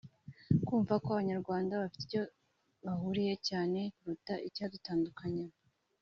kumva ko abanyarwanda bafite icyo bahuriyeho cyane kuruta icyadutandukanya